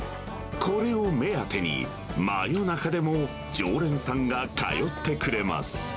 これを目当てに、真夜中でも常連さんが通ってくれます。